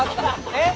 えっ？